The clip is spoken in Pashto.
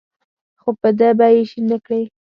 خو په ده به یې شین نکړې.